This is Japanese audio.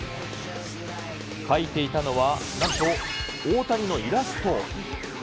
描いていたのは、なんと大谷のイラスト。